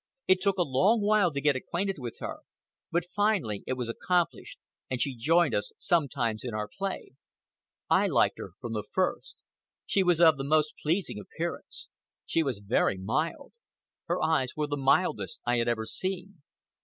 It took a long while to get acquainted with her, but finally it was accomplished and she joined us sometimes in our play. I liked her from the first. She was of most pleasing appearance. She was very mild. Her eyes were the mildest I had ever seen.